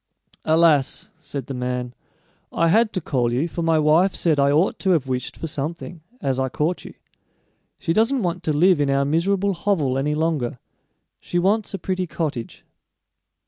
"Alas!" said the man; "I had to call you, for my wife said I ought to have wished for something, as I caught you. She doesn't want to live in our miserable hovel any longer; she wants a pretty cottage."